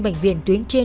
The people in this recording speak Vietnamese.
bệnh viện tuyến trên